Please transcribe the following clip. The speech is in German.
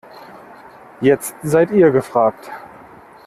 Jetzt seid ihr gefragt.